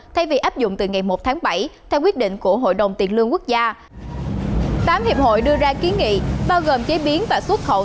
thay vì áp dụng từ ngày một tháng bảy theo quyết định của hội đồng tiền lương quốc gia